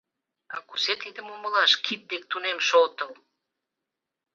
— А кузе тидым умылаш — кид дек тунемше отыл?